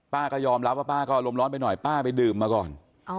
ป้าก็ยอมรับว่าป้าก็อารมณ์ร้อนไปหน่อยป้าไปดื่มมาก่อน